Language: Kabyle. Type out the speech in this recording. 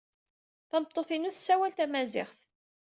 Tameṭṭut-inu tessawal tamaziɣt.